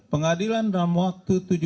pengadilan dalam waktu tujuh hari